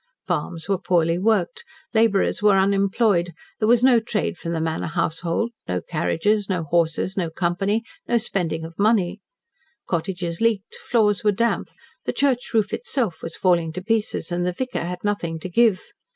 Farms were poorly worked, labourers were unemployed, there was no trade from the manor household, no carriages, no horses, no company, no spending of money. Cottages leaked, floors were damp, the church roof itself was falling to pieces, and the vicar had nothing to give.